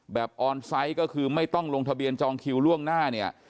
ออนไซต์ก็คือไม่ต้องลงทะเบียนจองคิวล่วงหน้าเนี่ย